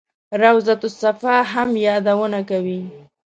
روضته الصفا هم یادونه کوي.